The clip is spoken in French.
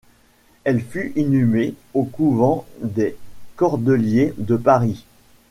Elle fut inhumée au couvent des Cordeliers de Paris.